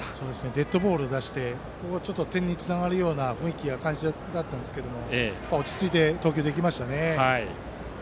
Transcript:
デッドボール出して点につながるような感じだったんですが落ち着いて投球できましたね。